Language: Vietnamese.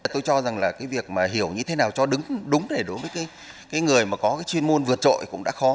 tôi cho rằng việc hiểu như thế nào cho đúng đối với người có chuyên môn vượt trội cũng đã khó